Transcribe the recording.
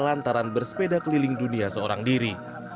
lantaran bersepeda keliling dunia seorang diri